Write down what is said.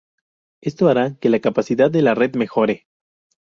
Esto hará que la capacidad de la red mejore.